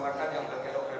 makanan yang bergelombang